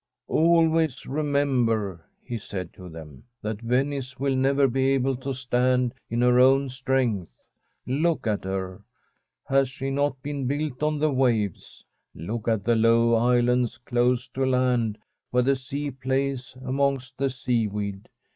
* Always remember,' he said to them, * that Venice will never be able to stand in her own strength. Look at her ! Has she not been built on the waves ? Look at the low islands close to land, where the sea plays amongst the seaweed.